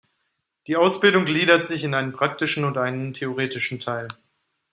Die Ausbildung gliedert sich in einen praktischen und einen theoretischen Teil.